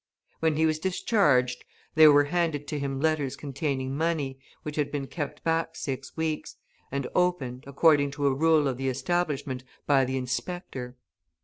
When he was discharged, there were handed to him letters containing money, which had been kept back six weeks, and opened, according to a rule of the establishment, by the inspector!